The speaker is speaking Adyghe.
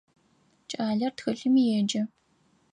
Кӏалэр тхылъым еджэ.